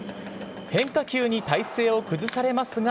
変化球に体勢を崩されますが、